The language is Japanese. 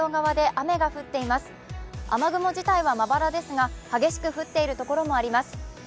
雨雲自体はまばらですが、激しく降っているところもあります。